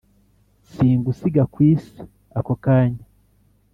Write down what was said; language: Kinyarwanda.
singusiga kwisi"ako kanya